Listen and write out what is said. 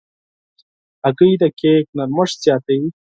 هګۍ د کیک نرمښت زیاتوي.